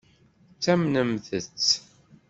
Ttamnent-tt?